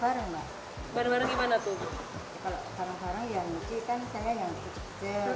kalau bareng bareng ya nyuci kan saya yang cuci kecil